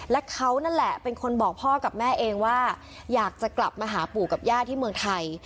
และเขานั่นแหละเป็นคนบอกพ่อกับแม่เองว่าอยากจะกลับมาหาปู่กับย่าที่เมืองไทย